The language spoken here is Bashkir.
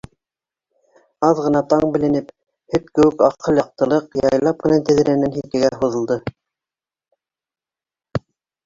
Аҙ ғына таң беленеп, һөт кеүек аҡһыл яҡтылыҡ яйлап ҡына тәҙрәнән һикегә һуҙылды.